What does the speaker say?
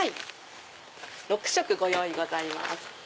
６色ご用意ございます。